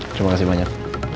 terima kasih banyak